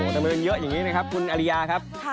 ถ้ามีล่างเยอะอย่างนี้น่ะครับคุณอาริยาครับ